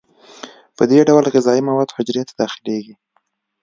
په دې ډول غذایي مواد حجرې ته داخلیږي.